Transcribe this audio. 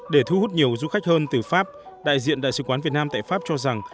để thu hút nhiều du khách hơn từ pháp đại diện đại sứ quán việt nam tại pháp cho rằng